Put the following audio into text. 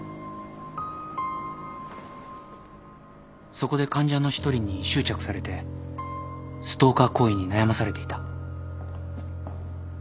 そこで患者の一人に執着されてストーカー行為に悩まされていた。